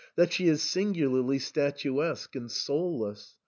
— that she is singularly statuesque and soulless.